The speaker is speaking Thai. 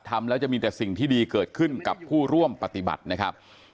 ทำแล้วจะมีแต่สิ่งที่ดีเกิดขึ้นกับผู้ร่วมปฏิบัตินะครับ